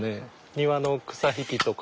庭の草引きとか。